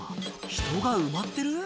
「人が埋まってる？」